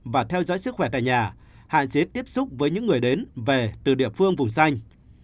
và theo dõi sức khỏe tại nhà hạn chế tiếp xúc với những người đến về từ địa phương vùng xanh